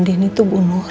saya sudah menang